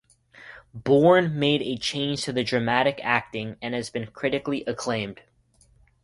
Bourne made a change to dramatic acting and has been critically acclaimed.